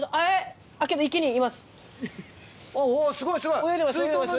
おぉすごいすごい。